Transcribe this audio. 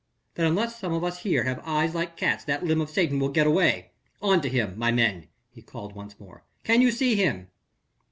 "Then unless some of us here have eyes like cats that limb of Satan will get away. On to him, my men," he called once more. "Can you see him?"